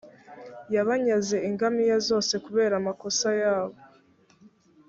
yabanyaze ingamiya zose kubera amakosa yabo.